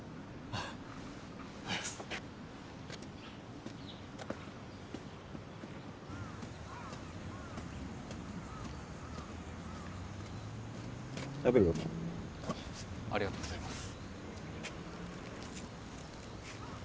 ありがとうございます。